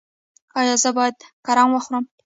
ایا زه باید کرم وخورم؟